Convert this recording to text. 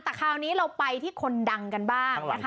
แต่คราวนี้เราไปที่คนดังกันบ้างนะคะ